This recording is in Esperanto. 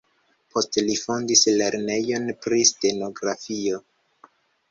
Poste li fondis lernejon pri stenografio.